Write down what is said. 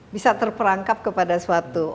bisa terperangkap kepada sebuah film